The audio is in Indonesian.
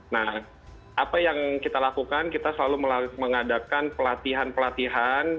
nah apa yang kita lakukan kita selalu mengadakan pelatihan pelatihan